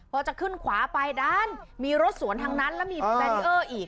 พอจะขึ้นขวาไปด้านมีรถสวนทางนั้นแล้วมีแบรีเออร์อีก